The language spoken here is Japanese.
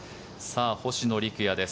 星野陸也です